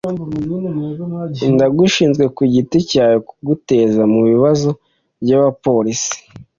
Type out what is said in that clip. Ndagushinzwe kugiti cyawe kutugeza mubibazo byabapolisi.